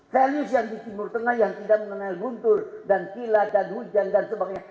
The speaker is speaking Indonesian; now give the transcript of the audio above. values yang di timur tengah yang tidak mengenal guntur dan kilat dan hujan dan sebagainya